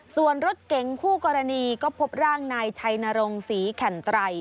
ส่วนรถเก๋งคู่กรณีก็พบร่างนายชัยนรงศรีแข่นไตร